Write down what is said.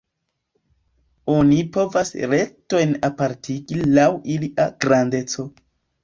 Oni povas retojn apartigi laŭ ilia grandeco.